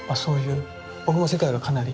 僕も世界がかなり。